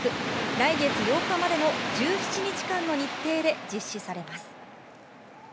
来月８日までの１７日間の日程で実施されます。